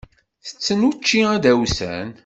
Ttettent učči adawsan.